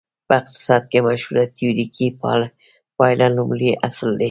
په اقتصاد کې مشهوره تیوریکي پایله لومړی اصل دی.